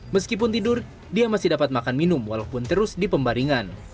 meskipun tidur dia masih dapat makan minum walaupun terus di pembaringan